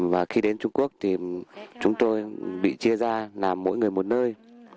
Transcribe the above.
và khi đến trung quốc thì chúng tôi bị chia ra làm mỗi người một nơi